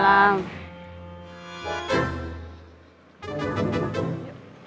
kok bang sodikin gak narik